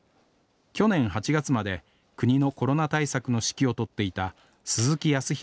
去年８月まで国のコロナ対策の指揮を執っていた鈴木康裕